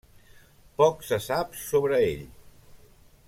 Poc se sap sobre ell.